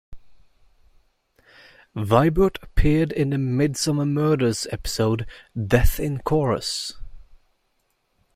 Vibert appeared in the "Midsomer Murders" episode "Death in Chorus".